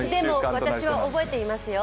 私は覚えていますよ。